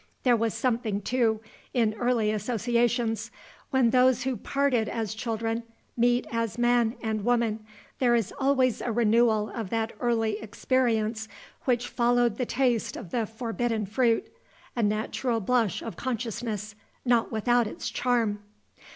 There was something, too, in early associations: when those who parted as children meet as man and woman, there is always a renewal of that early experience which followed the taste of the forbidden fruit, a natural blush of consciousness, not without its charm.